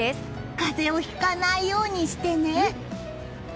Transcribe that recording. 風邪をひかないようにしてね。